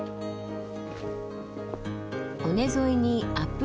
尾根沿いにアップ